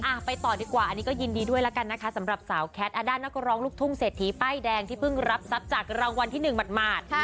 ไปต่อดีกว่าอันนี้ก็ยินดีด้วยแล้วกันนะคะสำหรับสาวแคทอด้านักร้องลูกทุ่งเศรษฐีป้ายแดงที่เพิ่งรับทรัพย์จากรางวัลที่หนึ่งหมาด